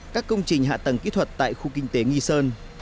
các công trình hạ tầng kỹ thuật tại khu kinh tế nghi sơn